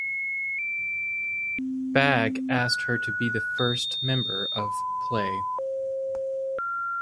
Bagge asked her to be the first member of Play.